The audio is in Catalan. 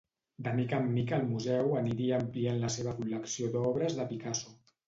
De mica en mica el museu aniria ampliant la seva col·lecció d'obres de Picasso.